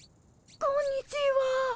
こんにちは。